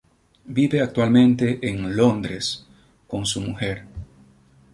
Vive actualmente en Londres, con su mujer.